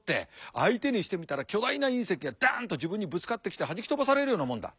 相手にしてみたら巨大な隕石がダンと自分にぶつかってきてはじき飛ばされるようなもんだ。